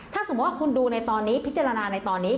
ถ้าสมมุติว่าคุณดูในตอนนี้พิจารณาในตอนนี้